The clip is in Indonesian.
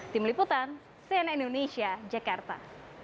tim liputan cnn indonesia jakarta